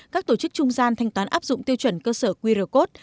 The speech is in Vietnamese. các tổ chức trung gian thanh toán áp dụng tiêu chuẩn cơ sở qr code